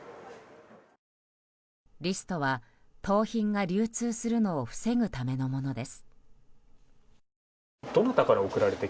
リストは盗品が流通するのを防ぐためのものです。